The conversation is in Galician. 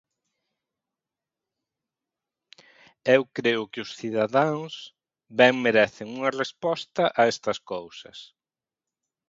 Eu creo que os cidadáns ben merecen unha resposta a estas cousas.